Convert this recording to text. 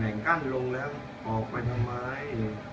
หนังกั้นลงน่ะออกมาทำไม